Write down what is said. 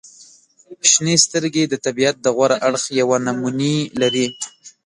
• شنې سترګې د طبیعت د غوره اړخ یوه نمونې لري.